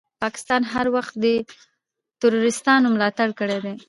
پاکستان هر وخت دي تروريستانو ملاتړ کړی ده.